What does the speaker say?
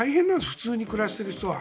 普通に暮らしている人は。